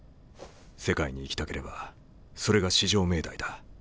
世界に行きたければそれが至上命題だ。